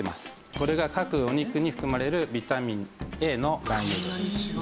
これが各お肉に含まれるビタミンＡの含有量です。